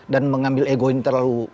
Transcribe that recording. dan mengambil ego ini terlalu